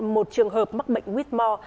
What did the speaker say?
một trường hợp mắc bệnh whitmore